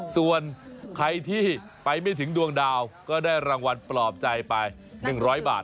ส่วนใครที่ไปไม่ถึงดวงดาวก็ได้รางวัลปลอบใจไป๑๐๐บาท